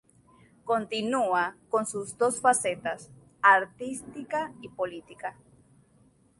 Continúa con sus dos facetas, artística y política.